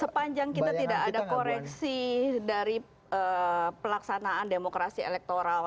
sepanjang kita tidak ada koreksi dari pelaksanaan demokrasi elektoral